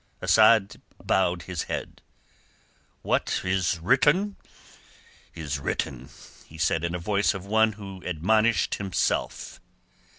Asad bowed his head. "What is written is written," he said in the voice of one who admonished himself.